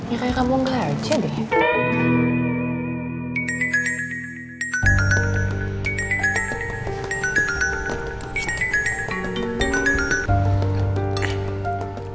ya kayak kamu nggak aja deh